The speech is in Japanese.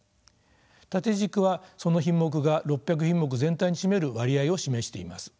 縦軸はその品目が６００品目全体に占める割合を示しています。